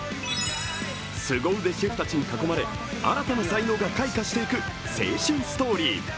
すご腕シェフたちに囲まれ新たな才能が開花していく青春ストーリー。